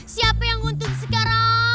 siapa yang nguntut sekarang